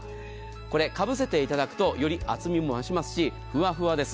これ、かぶせていただくとより厚みも増しますしふわふわです。